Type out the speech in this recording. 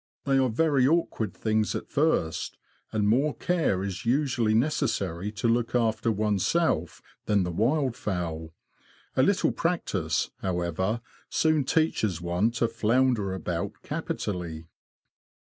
They are very awkward things at first, and more care is usually necessary to look after one's self than the wildfowl ; a little practice, however, soon teaches one to flounder about capitally.